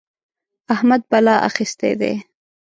احمد بلا اخيستی دی.